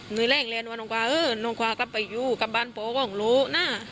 หนูแร่งเรียนว่าน้องควาเออน้องควากลับไปอยู่กับบ้านโผล่ของโลนะ